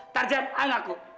tarjan anggap aku